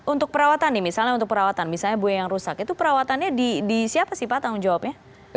untuk perawatan nih misalnya untuk perawatan misalnya buaya yang rusak itu perawatannya di siapa sih pak tanggung jawabnya